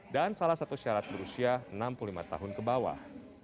dan salah satu syarat berusia enam puluh lima tahun ke bawah